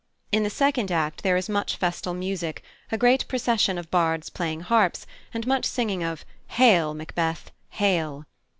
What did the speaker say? In the second act there is much festal music, a great procession of bards playing harps, and much singing of "Hail, Macbeth, hail!"